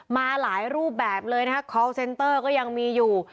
มาหลายรูปแบบเลยนะคะคอลเซนเตอร์ก็ยังมีอยู่